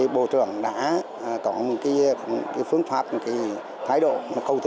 bộ trưởng đã có một phương pháp một thái độ một câu thị